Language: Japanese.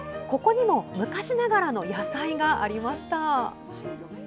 ここにも昔ながらの野菜がありました。